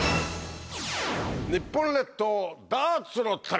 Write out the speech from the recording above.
日本列島ダーツの旅。